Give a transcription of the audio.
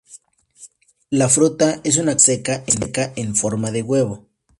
La fruta es una cápsula seca, en forma de huevo.